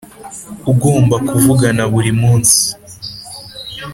ugomba kuvugana buri munsi.